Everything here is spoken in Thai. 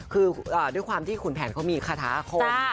คือด้วยความที่ขุนแผนเขามีคาถาคม